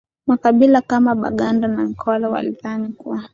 makabila kama baganda na nkole walidhani kuwa